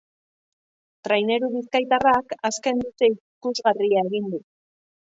raineru bizkaitarrak azken luze ikusgarria egin du.